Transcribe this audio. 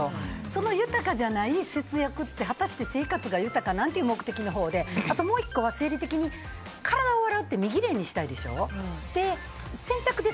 その豊かじゃない節約ってはたして生活が豊かなん？っていう目的なほうでもう１個、体を洗うって身ぎれいにしたいでしょ。